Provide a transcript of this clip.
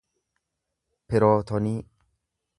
pirootonii